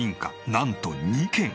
なんと２軒！